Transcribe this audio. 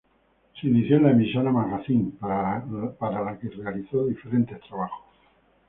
Se inició en la emisora Magazine para la que realizó diferentes trabajos.